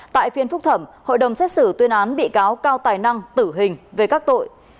tại phiên phúc thẩm hội đồng xét xử tuyên án bị cáo cao tài năng tử hình về các tội